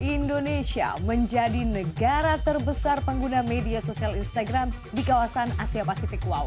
indonesia menjadi negara terbesar pengguna media sosial instagram di kawasan asia pasifik